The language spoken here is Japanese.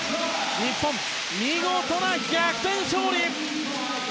日本、見事な逆転勝利！